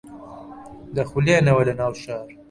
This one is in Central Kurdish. دەخولێنەوە لە ناو شار